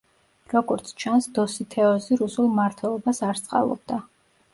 როგორც ჩანს დოსითეოზი რუსულ მმართველობას არ სწყალობდა.